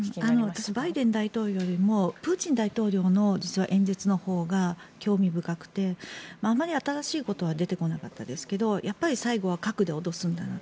私、バイデン大統領よりもプーチン大統領の演説のほうが興味深くてあまり新しいことは出てこなかったですけどやっぱり最後は核で脅すんだなと。